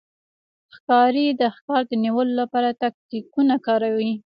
ښکاري د ښکار د نیولو لپاره تاکتیکونه کاروي.